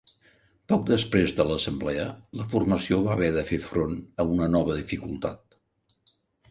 Poc després de l'Assemblea, la formació va haver de fer front a una nova dificultat.